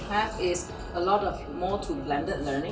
jadi kita punya banyak pelajaran yang bergantian